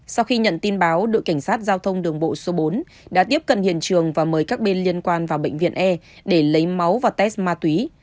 sau khi nhận tin báo đội cảnh sát giao thông đường bộ số bốn đã tiếp cận hiện trường và mời các bên liên quan vào bệnh viện e để lấy máu và test ma túy